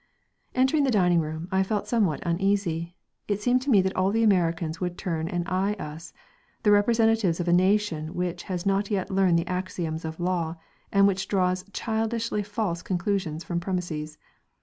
Entering the dining room, I felt somewhat uneasy.... It seemed to me that all the Americans would turn and eye us, the representatives of a nation which has not as yet learned the axioms of law, and which draws childishly false conclusions from premises....